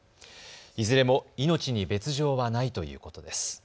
いずれも命に別状はないということです。